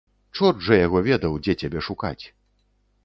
Чорт жа яго ведаў, дзе цябе шукаць.